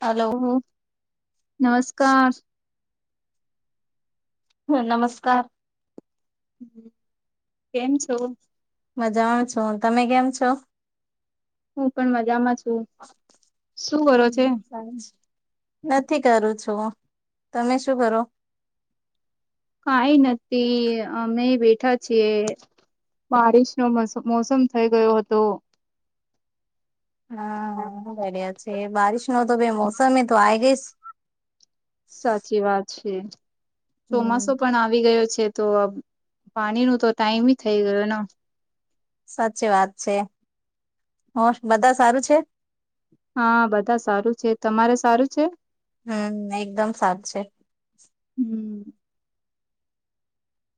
Hello ઓ નમસ્કાર હમ નમસ્કાર કેમ છો? મજામાં છું, તમે કેમ છો? હું પણ મજામાં છું શું કરો છે નથી કરું છું તમે શું કરો કઈ નથી અમે બેઠા છીએ બારિશ નો મોસમ થઈ ગયો હતો હા રહ્યા છે બારિશ નો તો ભ મોસમે એ તો આવી ગઈશ સાચી વાત છે હમ ચોમાસો પણ આવી ગયો છે તો પાણી ન તો ટાઈમ થઈ ગયો ને સાચી વાત છે બધા સારું છે હા બધા સારું છે તમારે સારું છે હમ એકદમ સાચ છે હમ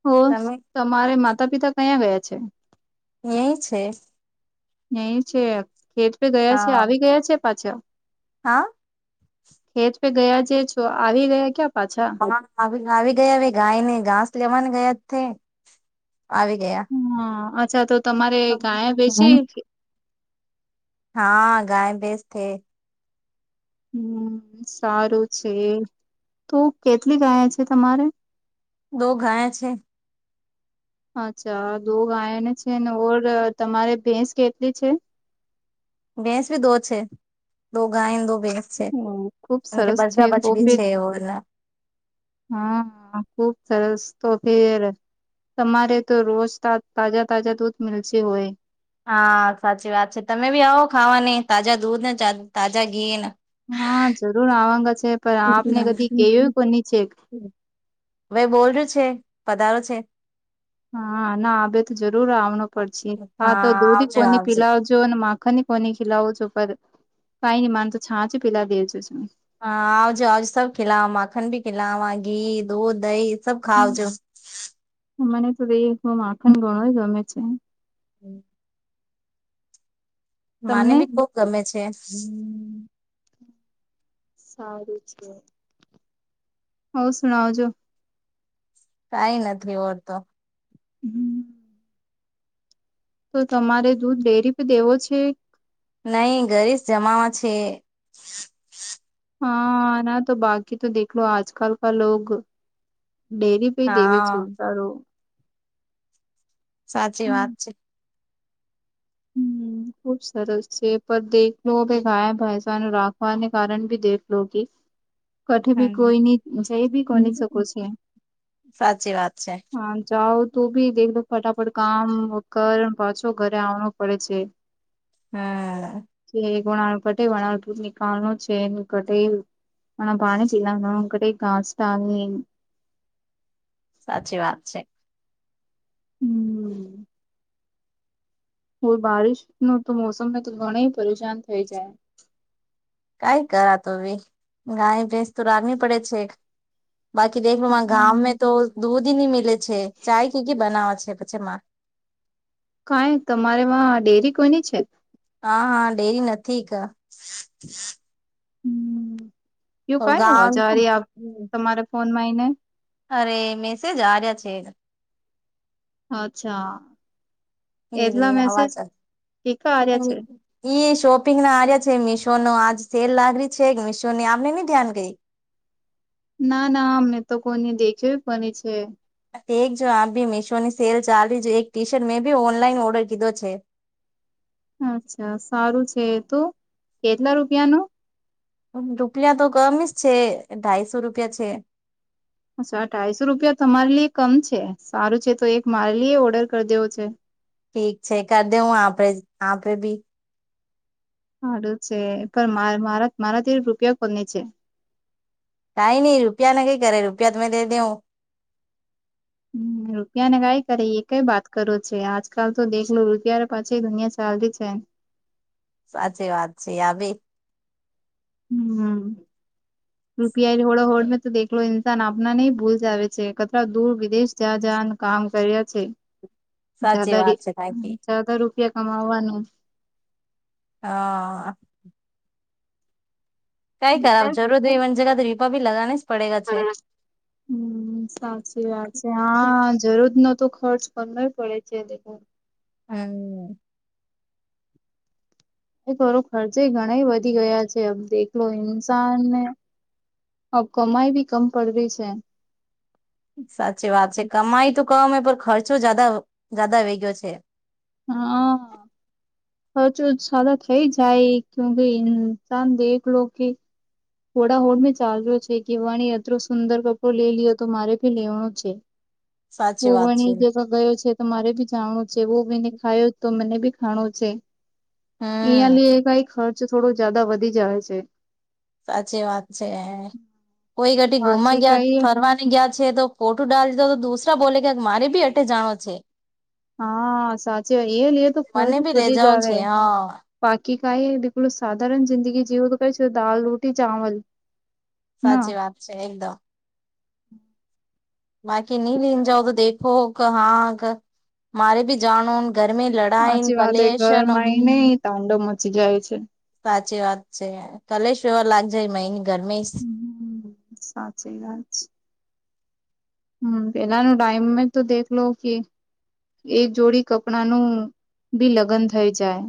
હો તમે તમારે માતા પિતા કયાં ગયા છે એ છે. એહિ છે ખેત પે ગયા છે હા આવી ગયા છે પાછા. હા. હેત પે ગયા જે છો આવી ગયા ક્યા પાછા? હા આવી ગયા હવે ગાય ને ઘાસ લેવાની ગયા છે. આવી ગયા. હા અચ્છા તો તમારે ગાય વેચી હા ગાય ભેસ છે. હમ્મ, સારું છે તો કેટલી ગયા છે તમારે? દો ગયા છે. [inaudible] અચ્છા દો ગાયને છે ને ઓર તમારે ભેંસ કેટલી છે? ભેંસ ભી દો છે. દો ગાય દો ભેંસ. છે. હમ ખુબ સરસ છે [unintelligible] બી છે ઓલા. હમ્મ ખુબ સરસ તો ફે તમારે તો રોજ તાજા તાજા દૂધ મલશે હોય. હા સાચી વાત છે. તમે બી આવો ખાવાની તાજા દૂધ ને તાજા ઘી ને. હા જરૂર આવાંગ છે પણ આપને કદી કેવય કોની છે. હવે બોલ્ડ છે પધારો છે. હા ના આ બેે તો જરૂર આવણ પડશે હા તો દૂધ આવજો કોની આવજો પિલાઓ. જો માખણ ની કોની ખીલાવ છો ઉપર કઈ ની માન તો છાંચ પીલા દેજો છ. હા આવજો આવજ સબ ખલાવા માખન ભી ખલાવા, ઘી, દૂધ, દહી સબ ખાવજો. મને તો દ માખણ ઘણો ગમે છે. હમ્મ. મને તમને બી બવ ગમે છે. સારું છે. હવ સુણાવજો. કાઈ નથી ઓર તો. હમ્મ. તો તમારે દૂધ ડેરી પે દેવો છે? નહી ઘરે જ જમાવા છે. હા ના તો બાકી તો દેખો આજ કાલ લોગ ડેરી દેવે છે હા કારો. સાચી વાત છે. હમ્મ. ખૂબ સરસ છે પર દેખલો ગાય ભેસા રાખવાને કારણ ભી દેખલો કે. કઠ ભી હમ કોઈની જઈ ભી કોની શકે છે. સાચી વાત છે. હા જાઉ તો બી દેખ ફટાફટ કામ કર પાછો ઘરે આવવા પડે છે. હા. જે ગણા વકટે વપુર ની કારણ છે એ ઘટે. મને બાણે જિલ્લાનો અટે કાસાલની. સાચી વાત છે. હમ્મ. હો બારિશ નુ તો મોસમને તો ઘણ પરેશાન થઈ જાય. કઈ કરા તો ભી ગાય ભેંસ તો રાનવી પડે છે. બાકી દેખલ ગામમે તો દૂધ નહી મિલે છે ચાય કીકી બનાવે છે પછીમાં. કઈ તમારેમાં ડેરી કોઈની છે? હા હા ડેરી નથી કા. એયું કઈ ગામ અવાજારી આપ તમારા ફોન માં આઈને અરે મેસેજ આર્યા છે. અચ્છા એલે એટલા મેસેજ આવાજ [unintelligible] આ્યા છે. શોપિંગ ના આ્યા છે મીશો ન આજ સેલ લાગડી છે કે મિશો ની આપને નહી ધ્યાન કઈ. ના ના અમને તો કોઈ ન દેખે પણ છે. એક જો આપ ભી મીશો ની સેલ ચાલ રહી છે એક ટી શર્ટ મેં ભી ઓનલાઈન ઓર્ડર કીધો છે. અચ્છા સારું છે તું કેટલા રૂપિયા નું. રૂપિયા તો ગમે જ છે ઢાઈસો રૂપિયા છે. અચ્છા અઢાઈસો રૂપિયા તમારી લ કમ છે. સારું છે તો એક મારે લ એ ઓર્ડર કરી દેવો છે. ઠીક છે કર દે હું આે આે ભી. સારું છે પણ મારા મારા તે રૂપિયા કોની છે. કાઈ નહી રૂપિયા ના ન કઈ કરે રૂપિયા તમેમે દે દં. હ રૂપિયા ને કઈ કરે એ કઈ વાત કરો છે આજકાલ તો દેખલું રૂપિયા પાછી દુનિયા ચાલ ર છેને. સાચી વાત છે આવી. હમ્મ. રૂપિયાઈ હોડ હોડ તોલો ન્સાન આપ ના નિ ભૂલ જ આવેવે છે કચ દૂર વિદેશ જ્યા જને કામ કર્યા છે સાચી વાત જદાારી છે તાકી ારજાર [unintelligible] રૂપિયા કમાવાનું. હા. કઈ કર જરૂર હોય એ જગ રીપા ભી લગાની જ પડે ગ છે. હમ્મ. સાચી વાત છે હા જરૂર નતો ખર્ચ કરવ પડે છેે. હમ્મ. એ તોોરો ખર્ચે ઘણા વધી ગયા છેમ દેખલો ઇન્સાન ને હ કમાઈ ભી કમ પડ રહી છે. સાચી વાત છે કમાઈ તો કમે પણ ખર્ચો જદા જદા વઈ ગયો છે. હા. ખર્ચ સદા થઈ જાય કુકે ઇન્સાન દેખ લો કે થોડા હોડ મેં ચાલ્યો છે કે વાણી એતો સુંદર કપડો લઈ લ્યો તો મારે ભી લેવાનો છે. હ સાચી વાત છે વણી જેગ ગયો છે. રે બી જાણું છે બ બીને ખાયો તો મને બી ખાણો છે. અહંયા હમ લઈ કઈ ખર્ચ થોડો જદા વધી જાય છે. સાચી વાત છે કોઈ ઘઢ ગુમા બાકી ગયા કઈ ફરવા ગયા છે તો ખોટું ડ દીધો તો દુસરા બોલે ક મારે બી એટે જાણો છે. હા સાચી વાય એ લેએ તો ખર્ચ મને બી લઈ વધી જ જાઓ આવે. છે હા બાકી કાય બલો સાધારણ જિંદી જેવ તો ક છે દાલ, રોટી, ચાવલ ના સાચી વાત છે એકદમ. બાકી નહી લિન જાઓ તો દેખો કે હા મારે ભી જાણો. ઘર મે લડાાય કલેશ ન દાંડો મચી જાય છે. સાચી વાત છે કલેશ એવા લાગ જાય મ ઘરમે હમ્મ સાચી વાત. હમ્મ પેલાનું ટાઈમ મે તો દખલો લો કે એક જોડી કપડા નું ભી લગ્ન થઈ જાય.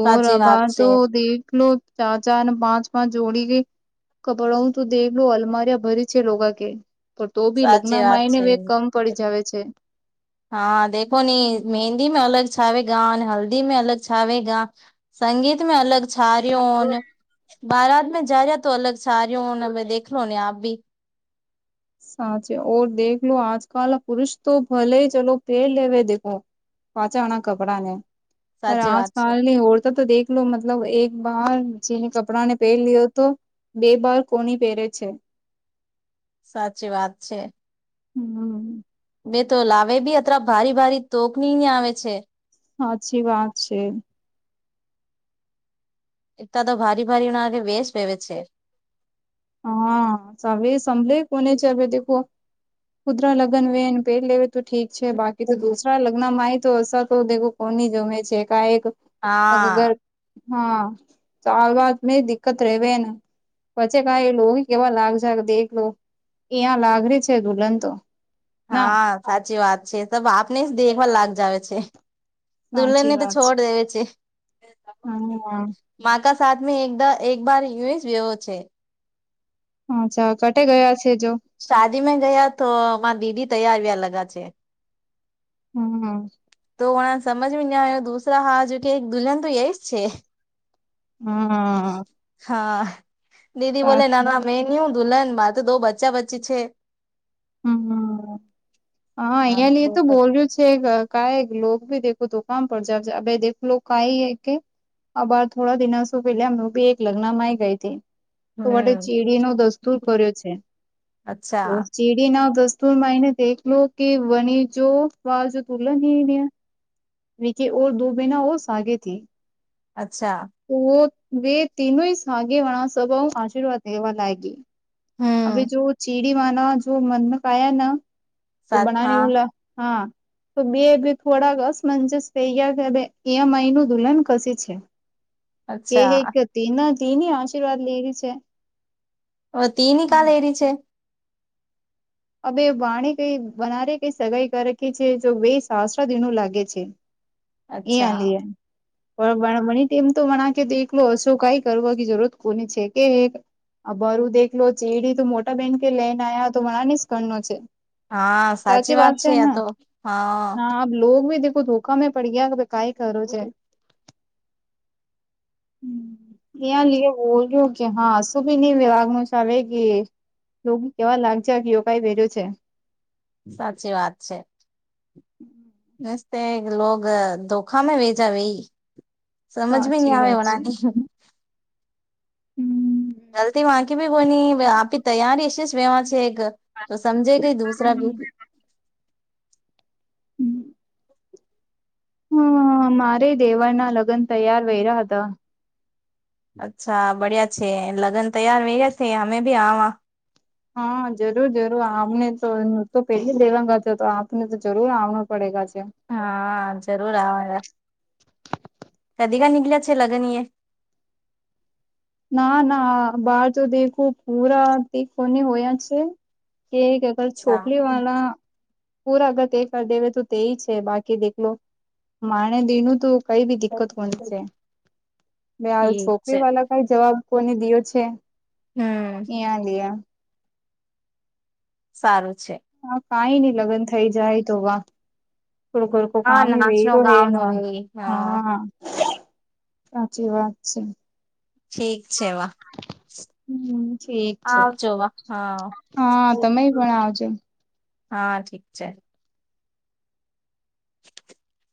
ઓ સાચી વાત રબાર તો છે દેખ લો ચાર ચાર પાંચ પાંચ જોડી કેઈ. કભડાું તો દેખ લ લો અલમારિયા ભરી છે લોકોગા કે પણ તો ભી સાચી લગ્નમાં વાત આવીને છે બે કમ પડી જાવ છે. હા દેખોને મેહેંદી મે અલગ છાવેગા, અને હલ્દી મે અલગ છાવેગા, સંગીત મે અલગ સાર ઠંડુ બારાત મે જા રહ્યા તો અલગ સાર ન હવે દેખલો લો ને આપ ભી. સાચેર દેખલો લો આજ કલ પુરુષ તો ભલે ચલો પેર લેવે દેખો. પાચાવાણા કપડાા ને પર સાચી આજ વાત છે કલની ઔરતો તો દેખો. એલો મતલબ એક બાર જેને કપડાને પહેરી લ્યો તો બે બાર કોની પહેરે છે. સાચી વાત છે. હમ્મ. બે તો લાવે ભી અત ભારી ભારી તોકની આવે છે. સાચી વાત છે. એકટ તો ભારી ભારી ના કે બેશ ભેવે છે. હા સવે સંભલે કોને છે, એવે દખો કુદરા લગન વેને પેટ લે તો ઠીક છે, બાકી તો દુસરા લગ્નમાં તો અ તો કોની જમે છે, એક અર હા હા સરવાત મે દિકકત રહેવે પછી કેવા લાગ જાગ દેખ લો ત્યાં લાગરી છે, દુલ્હન તો ના હા સાચી વાત છે, તબ આપને જ દેખવા લાગ જ આવે છે. સાચી દુલ્નની તો છોડ દેવે છે. હમ માકા સાથમી એકદા એકબાર હિસ વવ છે. હાછા કટે ગયા છે? શાદી મે ગયા તો મા દીદી તૈયાર વ્યાર લગા છે. હમ તોણાને સમજ ના આવ્યો દુસરા હા જો કે એક દુલહન તો એય જ છે. હા હા દીદી બોલે ના સાચું ના મેં ન દુલ્હન મારે દો બચ્ચા બચ્ચી છે. હમ હા અહિયાં તો બોલ્યું છે. ક ભી દખો તો કામ પડ જ ભ કાઈ હ કે આ બાર થોડા દિનાસો પેલામ બી એક લગ્નમાં આવી ગઈ હતી. તો માટે હમ ચીડી નો દસ્તુર કર્યો છે. અચ્છા જેડી ના દસ્તુરમાં એને દેખલો કે વને જો વાજ તુલન રહ્યા ની કે ઓર દ બેના ઓ સાગે થી અચ્છા તો બે તીનયગેવાળ સ્વભા આશીર્વાદ લેવા લાગી અ હમ જો ચીડી માના જો મનમાં કાયા ના તો સાત બનાની હા ઓલા હા તો બે થોડાક અસમંજસ થહીયા કે ઈ એમ આઈ નું દુલ્હન કશ છે. કે એક અચ્છા તેના તેની આશીર્વાદ લેવી છે. ઓ તીની કાલ એરી છેે? હવે વાણી કઈ બનારે કઈ સગાઈ કરખી છે જો બે સાસત્ર દિનું લાગે છે. એ અચ્છા આઈ પણણી ટમ તો મ એકલો હશો કઈ કરવાની જરૂરત કોની છે, કે? અ બર હું દેખલો ચેડી તો મોટા બેહેન કે લઈને આવ્યા તો મ શ કણ નો છે. હા સાચી વાત છે, આ તો હા ના હા ભી દેખું તો ગમે પડી ગયા કે કઈ કરો છે. ત્યાં લ બોલ્યું કે હા શું ભી નહી વિ વાઘ ન ચાલે કે રગ કેવા લાગ છે યો કઈ પહેર્યું છે. સાચી વાત છે. ન લોગ ધોખામાં વેજવે [unintelligible] સમજ બી નહી સાચી વાત છે આવેણાની હમ જલ્દી વાચ કે ભાઈ કોઈની આપી તૈયારી હશે વેમાં છે એક તો સમજે ગઈ દુસરા બી હમ હ મારે દેવળ ના લગ્ન તૈયાર વ્યા હતા અચ્છા બડિયા છે લગ્ન તૈયાર વ ગયા છે અમે ભી આવા હા જરૂર જરૂર આમને તો તો પેલી લેવાગ છે, તો આપને તો જરૂર આવડું પડે છે. હા જરૂર આવા કદી કાનીકળ છે લગન એ ના ના બહાર તો દેખું પૂરા દ કોને હોયા છે, કે પર અચ્છા છોકરી વાળલા પૂરાગત તે કરી દેવે તો તેય છે, બાકી દેખલો માણે દીનુંું તું કઈ બી દિકકત કોની છે, બે હ ઠીક છે છોકરી વાળા કઈ જવાબ કોને દયો છે. હમ. ભીયા. સારું છે. હા કઈ નહી, લગ્ન થઈ જાય તો વા ખડકડ કો હા કામી નાચનો વઈરો ગાવનો હેનું, એ હા. સાચી વાત છે. ઠીક છે વા. હમ, ઠીક છે. આવજો વા હા હા, તમે પણ આવજો. હા, ઠીક છે. [unintelligible]